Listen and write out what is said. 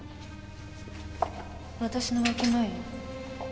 私の分け前よ。